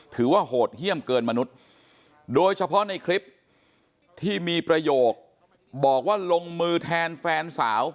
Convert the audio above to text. โหดเยี่ยมเกินมนุษย์โดยเฉพาะในคลิปที่มีประโยคบอกว่าลงมือแทนแฟนสาว